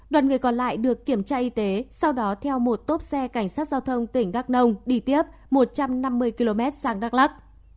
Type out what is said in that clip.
đoàn người còn lại được kiểm tra y tế sau đó theo một tốp xe cảnh sát giao thông tỉnh đắk nông đi tiếp một trăm năm mươi km sang đắk lắc